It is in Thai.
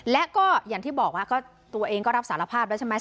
และก็อย่างที่บอกว่าก็ตัวเองก็รับสารภาพแล้วใช่ไหม